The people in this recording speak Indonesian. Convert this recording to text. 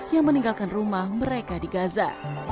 yang meninggalkan rumah mereka di gaza